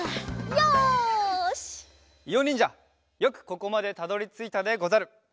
よくここまでたどりついたでござる！